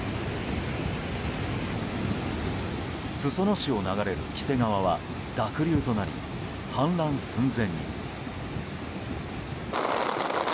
裾野市を流れる黄瀬川は濁流となり氾濫寸前に。